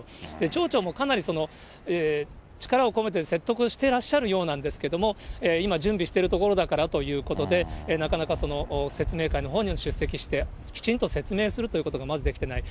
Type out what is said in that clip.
町長もかなり力を込めて説得してらっしゃるようなんですけれども、今、準備しているところだからということで、なかなか説明会のほうに出席して、きちんと説明するということが、まずできていない。